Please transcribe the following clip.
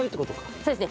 そうですね